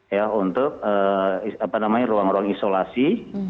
ya untuk ruang ruang isolasi